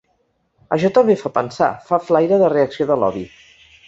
Això també fa pensar, fa flaire de reacció de lobby.